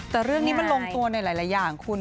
แต่เรื่องนี้มันลงตัวในหลายอย่างคุณ